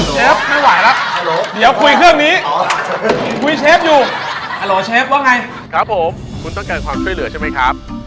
ครับไม่ไหวละเดี๋ยวคุยเรื่องนี้คุยเชฟอยู่ครับผมคุณต้องการความช่วยเหลือใช่ไหมครับ